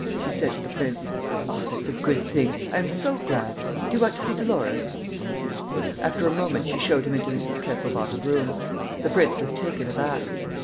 she said to the prince. "Ah, that's a good thing! I am so glad. ... Do you want to see Dolores?" After a moment, she showed him into Mrs. Kesselbach's room. The prince was taken aback.